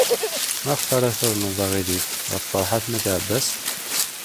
Maɣef ara taḍned aɣilif ɣef Ferḥat n At Ɛebbas?